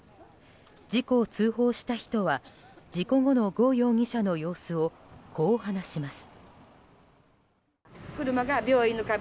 事故を通報した人は事故後のゴ容疑者の様子をこう話します。